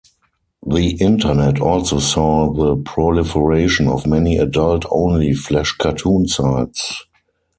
The Internet also saw the proliferation of many adult-only Flash cartoon sites.